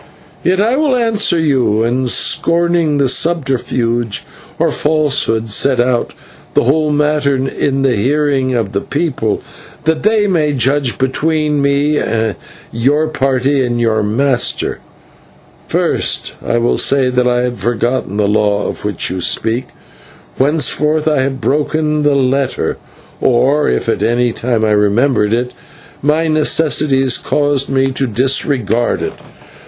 Yet I will answer you, and, scorning subterfuge or falsehood, set out the whole matter in the hearing of the people, that they may judge between me, your party, and your master. First, I will say that I had forgotten the law of which you speak, whereof I have broken the letter, or, if at any time I remembered it, my necessities caused me to disregard it.